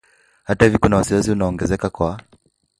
Hata hivyo kuna wasi wasi unaoongezeka wa